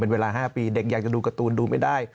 เวลา๕ปีเด็กอยากจะดูการ์ตูนดูไม่ได้